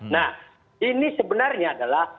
nah ini sebenarnya adalah